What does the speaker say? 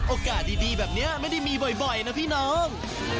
โอกาสดีแบบนี้ไม่ได้มีบ่อยนะพี่น้อง